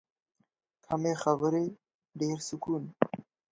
کمې خبرې، ډېر سکون.